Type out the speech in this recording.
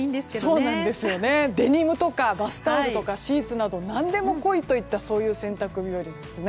デニムとか、バスタオルとかシーツなど何でもこいといった洗濯日和ですね。